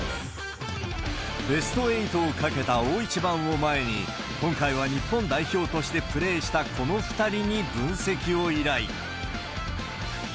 ベスト８を懸けた大一番を前に、今回は日本代表としてプレーしたこの２人に分析を依頼。